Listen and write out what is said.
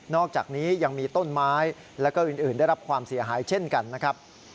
อกจากนี้ยังมีต้นไม้แล้วก็อื่นได้รับความเสียหายเช่นกันนะครับ